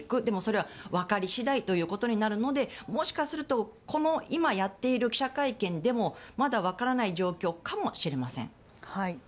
でも、それは分かり次第ということになるのでもしかすると今やっている記者会見でもまだ分からない状況かもしれません。